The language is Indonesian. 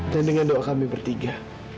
dan dengan doa kami bertiga